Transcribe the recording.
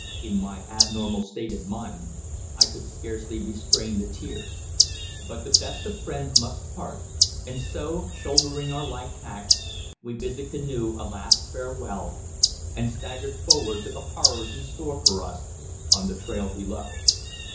In my abnormal state of mind I could scarcely restrain the tears. But the best of friends must part, and so, shouldering our light packs, we bid the canoe a last farewell, and staggered forward to the horrors in store for us on the trail below.